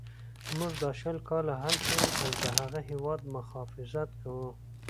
موږ دا شل کاله هلته یو او د هغه هیواد مخافظت کوو.